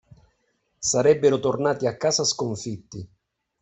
Sarebbero tornati a casa sconfitti.